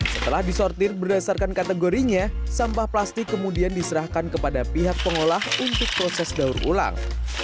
setelah disortir berdasarkan kategorinya sampah plastik kemudian diserahkan kepada pihak pengolah untuk proses daur ulang